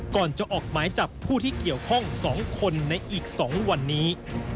ก่อนจะออกหมายจับผู้ที่เกี่ยวข้อง๒คนในอีก๒วันนี้